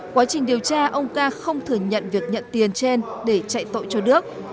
quá trình điều tra ông ca không thừa nhận việc nhận tiền trên để chạy tội cho đước